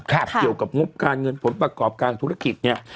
เกี่ยวกับงบการเงินผลประกอบการธุรกิจเนี่ย